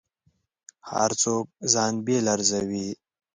هر څوک ځان بېل ارزوي.